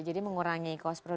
jadi mengurangi cost produksi